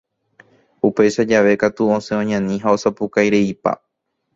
Upéicha jave katu osẽ oñani ha osapukaireipa.